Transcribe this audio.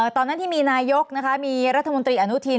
ตอนนั้นที่มีนายกมีรัฐมนตรีอนุทิน